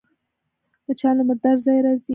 مچان له مرداره ځایه راځي